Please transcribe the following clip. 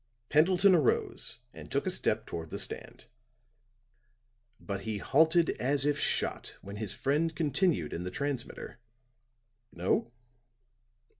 Pendleton arose and took a step toward the stand. But he halted as if shot when his friend continued in the transmitter: "No?"